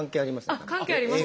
あっ関係あります？